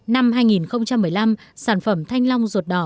năm hai nghìn một mươi năm sản phẩm thanh long ruột đỏ